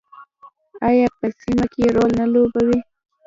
آیا په سیمه کې رول نه لوبوي؟